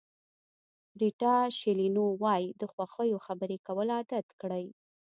ریتا شیلینو وایي د خوښیو خبرې کول عادت کړئ.